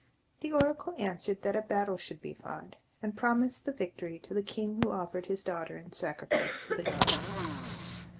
The oracle answered that a battle should be fought, and promised the victory to the king who offered his daughter in sacrifice to the gods.